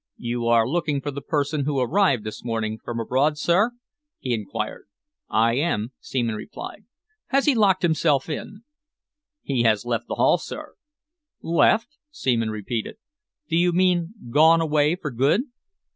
"You are looking for the person who arrived this evening from abroad, sir?" he enquired. "I am," Seaman replied. "Has he locked himself in?" "He has left the Hall, sir!" "Left!" Seaman repeated. "Do you mean gone away for good?"